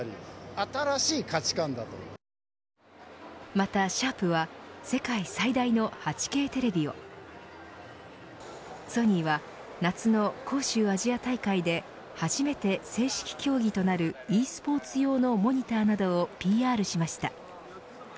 また、シャープは世界最大の８Ｋテレビをソニーは夏の杭州アジア大会で初めて正式競技となるｅスポーツ用のモニターなどをＰＲしました。